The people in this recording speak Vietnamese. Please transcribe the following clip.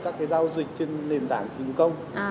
các cái giao dịch trên nền tảng kinh công